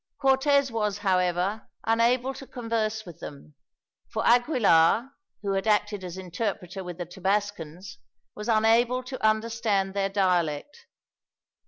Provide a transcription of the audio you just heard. Cortez was, however, unable to converse with them; for Aquilar, who had acted as interpreter with the Tabascans, was unable to understand their dialect.